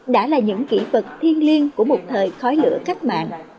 đã là những kỹ vật thiên liên của một thời khói lửa cách mạng